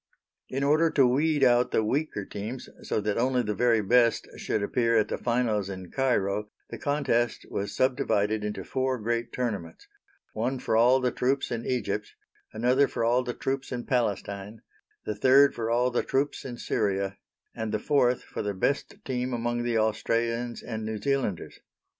In order to weed out the weaker teams so that only the very best should appear at the finals in Cairo, the contest was subdivided into four great tournaments: one for all the troops in Egypt, another for all the troops in Palestine, the third for all the troops in Syria, and the fourth for the best team among the Australians and New Zealanders.